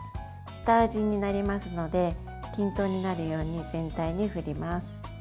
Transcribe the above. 下味になりますので均等になるように全体に振ります。